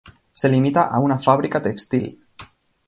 Se limita a una fábrica textil.